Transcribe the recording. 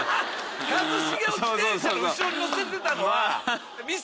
一茂を自転車の後ろに乗せてたのは。